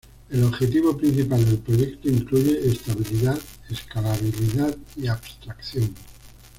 El objetivo principal del proyecto incluye estabilidad, escalabilidad y abstracción.